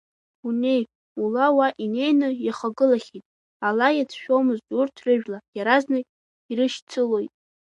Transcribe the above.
Унеит, ула уа инеины иахагылахьеит ала иацәшәаӡом урҭ рыжәла, иаразнак ирышьцылоит.